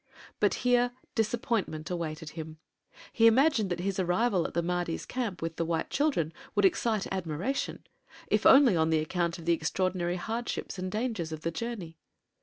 But here disappointment awaited him. He imagined that his arrival at the Mahdi's camp with the white children would excite admiration, if only on account of the extraordinary hardships and dangers of the journey.